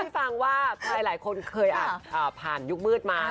ให้ฟังว่าหลายคนเคยอาจผ่านยุคมืดมา